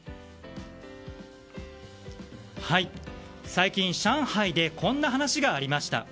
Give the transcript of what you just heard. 最近、上海でこんな話がありました。